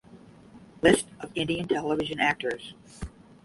List of Indian television actors